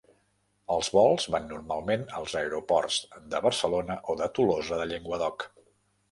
Els vols van normalment als aeroports de Barcelona o de Tolosa de Llenguadoc.